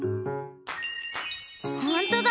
ほんとだ！